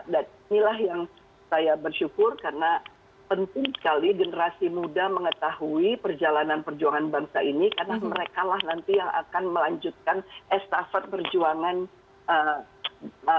dan inilah yang saya bersyukur karena penting sekali generasi muda mengetahui perjalanan perjuangan bangsa ini karena mereka lah nanti yang akan melanjutkan estafet perjuangan masyarakat